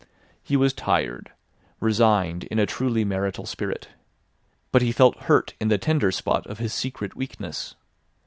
He was tired, resigned in a truly marital spirit. But he felt hurt in the tender spot of his secret weakness.